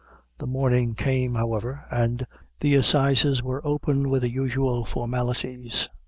The morning came, however, and the assies were opened with the usual formalities.